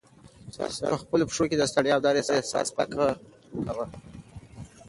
سړی په خپلو پښو کې د ستړیا او درد احساس په کلکه کاوه.